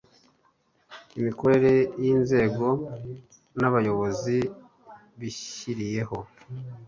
imikorere y'inzego n'abayobozi bishyiriyeho